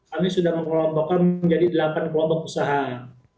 kami sudah mengelompokkan menjadi delapan kelompok usaha